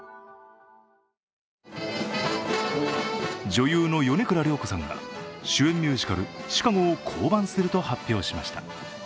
女優の米倉涼子さんが主演ミュージカル「ＣＨＩＣＡＧＯ」を降板すると発表しました。